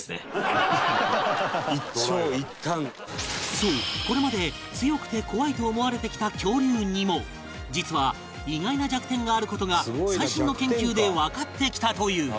そうこれまで強くて怖いと思われてきた恐竜にも実は意外な弱点がある事が最新の研究でわかってきたという